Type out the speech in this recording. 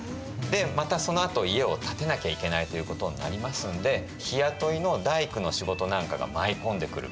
またそのあと家を建てなきゃいけないということになりますんで日雇いの大工の仕事なんかが舞い込んでくる。